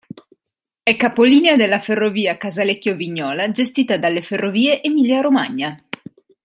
È capolinea della ferrovia Casalecchio-Vignola, gestita dalle Ferrovie Emilia Romagna.